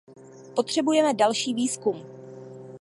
Potřebujeme další výzkum.